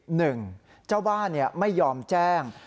หนึ่งเจ้าบ้านไม่ยอมแจ้ง